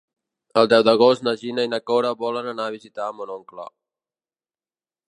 El deu d'agost na Gina i na Cora volen anar a visitar mon oncle.